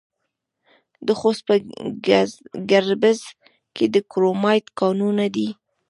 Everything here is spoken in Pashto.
د خوست په ګربز کې د کرومایټ کانونه دي.